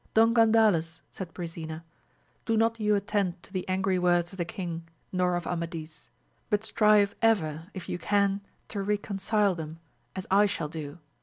Don Gandales, said Bri sena, do not you attend to the angry words of the king, nor of Amadis ; but strive ever if you can to reconcile them, as I shall do.